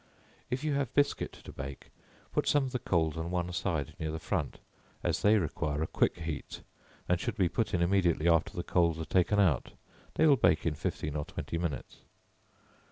If you have biscuit to bake, put some of the coals on one side near the front, as they require a quick heat, and should be put in immediately after the coals are taken out; they will bake in fifteen or twenty minutes.